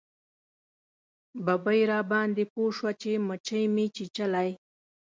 ببۍ راباندې پوه شوه چې موچۍ مې چیچلی.